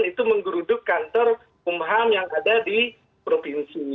itu menggeruduk kantor kumham yang ada di provinsi